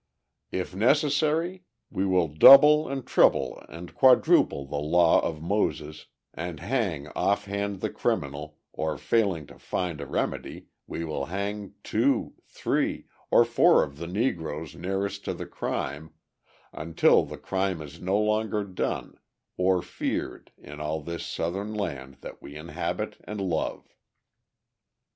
If necessary, we will double and treble and quadruple the law of Moses, and hang off hand the criminal, or failing to find that a remedy, we will hang two, three, or four of the Negroes nearest to the crime, until the crime is no longer done or feared in all this Southern land that we inhabit and love.